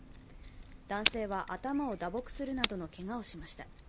男性は頭を打撲するなどのけがをしました。